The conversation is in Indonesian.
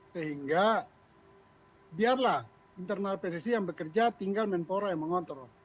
sehingga biarlah internal pssi yang bekerja tinggal menpora yang mengontrol